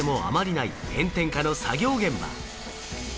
ない炎天下の作業現場。